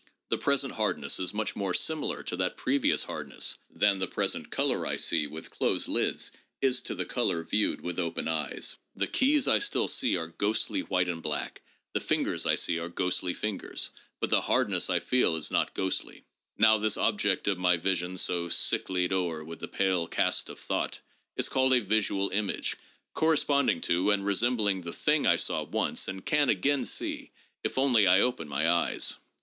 The present hardness is much more similar to that previous hardness than the present color I see with closed lids is to the color viewed with open eyes. The keys I still see are ghostly white and black ; the fingers I see are ghostly fingers ; but the hardness I feel is not ghostly. Now this object of my vision, so ' sicklied o'er with the pale cast of thought,' is called a visual image, corresponding to and resem bling the thing I saw once and can again see if only I open my eyes.